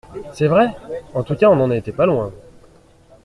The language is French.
C’est vrai ! En tout cas, on n’en était pas loin.